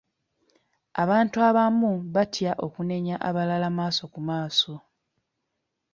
Abantu abamu batya okunenya abalala maaso ku maaso.